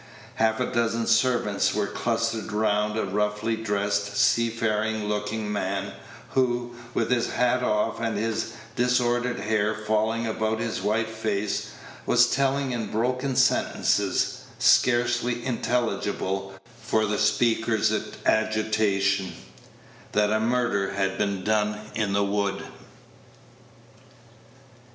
Half a dozen servants were clustered round a roughly dressed, seafaring looking man, who, with his hat off and his disordered hair falling about his white face, was telling in broken sentences, scarcely intelligible for the speaker's agitation, that a murder had been done in the wood.